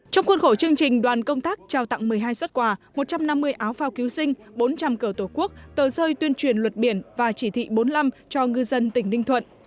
trong khuôn khổ chương trình đoàn công tác trao tặng một mươi hai xuất quà một trăm năm mươi áo phao cứu sinh bốn trăm linh cờ tổ quốc tờ rơi tuyên truyền luật biển và chỉ thị bốn mươi năm cho ngư dân tỉnh ninh thuận